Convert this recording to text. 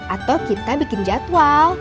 atau kita bikin jadwal